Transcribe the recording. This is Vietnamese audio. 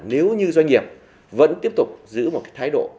nếu như doanh nghiệp vẫn tiếp tục giữ một cái thái độ